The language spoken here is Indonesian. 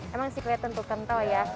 emang sih kelihatan tentu kental ya